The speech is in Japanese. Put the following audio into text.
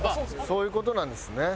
そういう事なんですね。